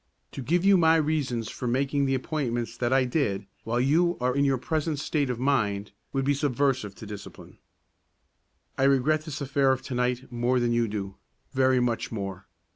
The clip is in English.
To give you my reasons for making the appointments that I did, while you are in your present state of mind, would be subversive of discipline. "I regret this affair of to night more than you do, very much more.